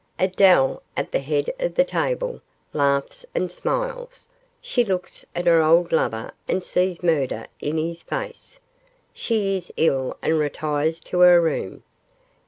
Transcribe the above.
'Adele, at the head of the table, laughs and smiles; she looks at her old lover and sees murder in his face; she is ill and retires to her room.